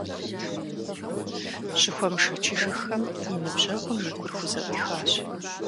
Щыхуэмышэчыжыххэм, и ныбжьэгъум и гур хузэӀуихащ.